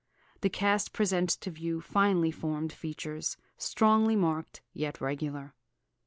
The cast presents to view finely formed features, strongly marked, yet regular.